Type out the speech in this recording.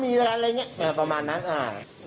มีการนำเนี่ยประมาณนั้นนั้นครับ